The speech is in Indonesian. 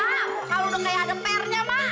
muka lu kayak ada pernya mak